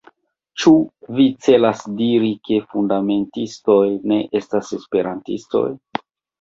Ĉu vi celas diri, ke fundamentistoj ne estas Esperantistoj?